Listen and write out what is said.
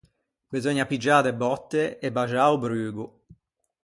Beseugna piggiâ de bòtte e baxâ o brugo.